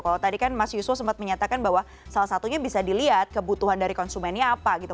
kalau tadi kan mas yusuf sempat menyatakan bahwa salah satunya bisa dilihat kebutuhan dari konsumennya apa gitu